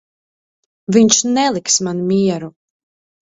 Viņš neliks man mieru.